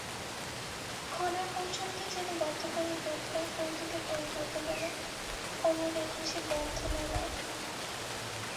খনার বচনটি যেন গতকাল রোববার কৌতুকে পরিণত হলো অমর একুশে গ্রন্থমেলায়।